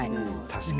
確かに。